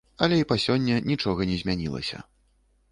Але і па сёння нічога не змянілася.